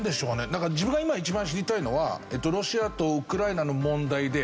なんか自分が今一番知りたいのはロシアとウクライナの問題で。